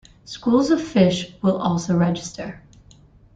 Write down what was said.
Schools of fish will also register.